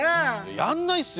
やんないっすよ！